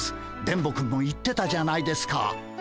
電ボくんも言ってたじゃないですか。